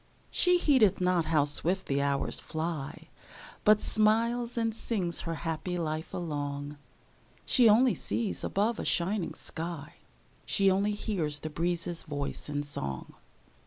She heedeth not how swift the hours fly, But smiles and sings her happy life along; She only sees above a shining sky; She only hears the breezes' voice in song.